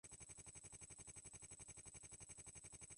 Eu também trago